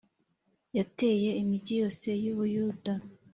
yateye imigi yose y u Buyuda